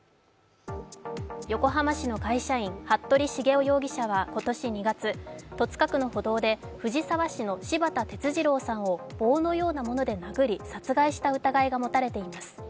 横浜市の会社員、服部繁雄容疑者は今年２月、戸塚区の歩道で、藤沢市の柴田哲二郎さんを棒のようなもので殴り殺害した疑いが持たれています。